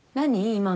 今の。